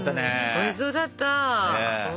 おいしそうだった。